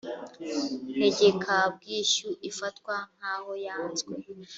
ntegekabwishyu ifatwa nk aho yanzwe